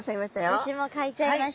私も描いちゃいました。